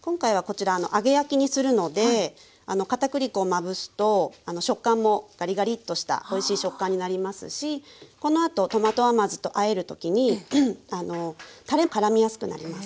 今回はこちら揚げ焼きにするのでかたくり粉をまぶすと食感もガリガリッとしたおいしい食感になりますしこのあとトマト甘酢とあえる時にたれもからみやすくなります。